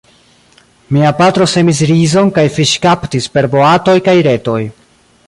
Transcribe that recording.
Mia patro semis rizon kaj fiŝkaptis per boatoj kaj retoj.